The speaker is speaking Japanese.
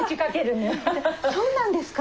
「そうなんですか？